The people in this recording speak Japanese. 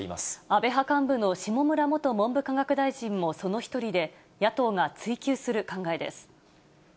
安倍派幹部の下村元文部科学大臣もその一人で、野党が追及する考えです。